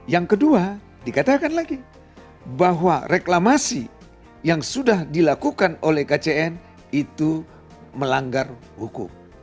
yang kedua dikatakan lagi bahwa reklamasi yang sudah dilakukan oleh kcn itu melanggar hukum